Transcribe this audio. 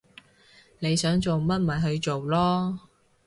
你想做乜咪去做囉